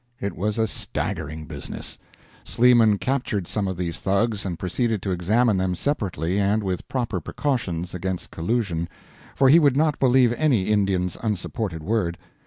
It was a staggering business. Sleeman captured some of these Thugs and proceeded to examine them separately, and with proper precautions against collusion; for he would not believe any Indian's unsupported word.